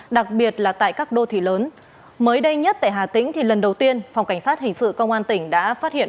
đặc biệt là tại các đô thị lớn mới đây nhất tại hà tĩnh thì lần đầu tiên phòng cảnh sát hình sự công an tỉnh đã phát hiện